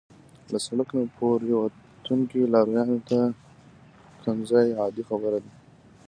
له سړک نه پورې وتونکو لارویو ته کنځا عادي خبره ده.